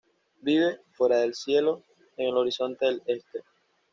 Vive "fuera del cielo, en el horizonte del este".